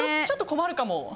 ちょっと困るかも。